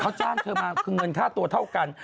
เขาจ้างเธอมาคือเงินค่าตัวเท่ากัน